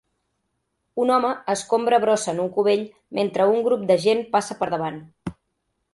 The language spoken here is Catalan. Un home escombra brossa en un cubell mentre un grup de gent passa per davant